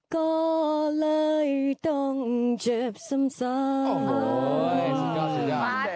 ก็เลยต้องเจ็บซ้ำ